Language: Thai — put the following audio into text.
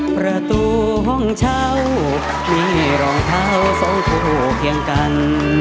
ประตูห้องเช่ามีรองเท้าสองคู่เคียงกัน